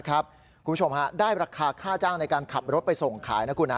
คุณผู้ชมได้ราคาค่าจ้างในการขับรถไปส่งขาย